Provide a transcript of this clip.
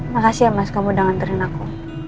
makasih ya mas kamu udah nganterin aku